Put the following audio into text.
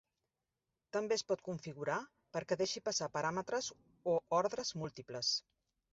També es pot configurar perquè deixi passar paràmetres o ordres múltiples.